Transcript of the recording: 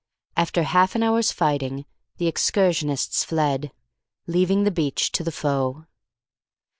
After half an hour's fighting the excursionists fled, leaving the beach to the foe.